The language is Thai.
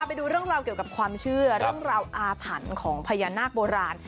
ไปดูเรื่องราวเกี่ยวกับความเชื่อเรื่องราวอาถรรพ์ของพญานาคโบราณ